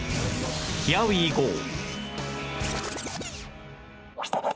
ヒアウィーゴー